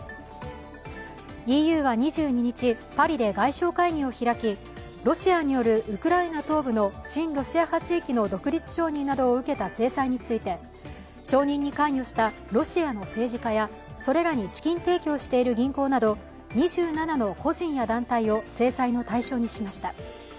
ＥＵは２２日、パリで外相会議を開きロシアによるウクライナ東部の親ロシア派地域の独立承認などを受けた制裁について承認に関与したロシアの政治家や、それらに資金提供している銀行など２７の個人や団体を制裁の対象にしました。